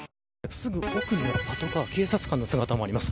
すぐ奥にはパトカー警察官の姿もあります。